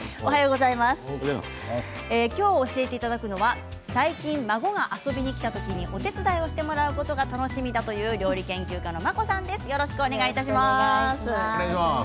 今日、教えていただくのは最近、孫が遊びに来た時にお手伝いしてもらうことが楽しみだという料理研究家のよろしくお願いします。